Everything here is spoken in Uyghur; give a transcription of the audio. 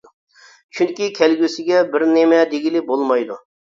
چۈنكى كەلگۈسىگە بىر نېمە دېگىلى بولمايدۇ.